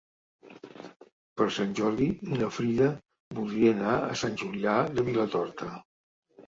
Per Sant Jordi na Frida voldria anar a Sant Julià de Vilatorta.